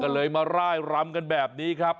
ก็เลยมาร่ายรำกันแบบนี้ครับ